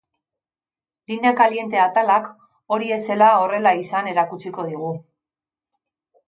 Linea caliente atalak hori ez zela horrela izan erakutsiko digu.